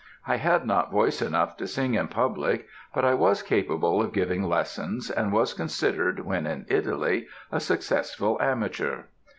I had not voice enough to sing in public, but I was capable of giving lessons and was considered, when in Italy, a successful amateur.